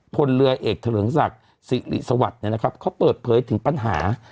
พลเรือเอกเถริงศักดิ์ศิริสวรรค์เนี้ยนะครับเขาเปิดเผยถึงปัญหา